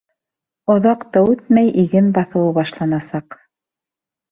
Оҙаҡ та үтмәй, иген баҫыуы башланасаҡ.